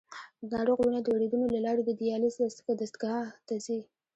د ناروغ وینه د وریدونو له لارې د دیالیز دستګاه ته ځي.